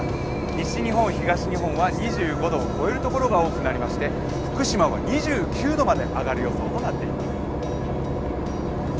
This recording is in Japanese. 西日本、東日本は２５度を超える所が多くなりまして福島は２９度まで上がる予想となっています。